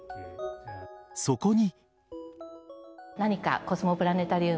そこに。